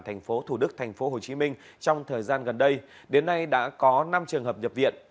thành phố thủ đức thành phố hồ chí minh trong thời gian gần đây đến nay đã có năm trường hợp nhập viện